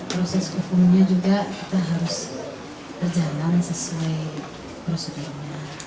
proses hukumnya juga kita harus berjalan sesuai prosedurnya